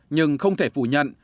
nhưng không thể phủ nhận